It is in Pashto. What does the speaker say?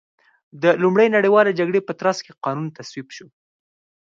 د لومړۍ نړیوالې جګړې په ترڅ کې قانون تصویب شو.